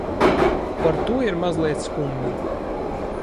Par to ir mazliet skumji.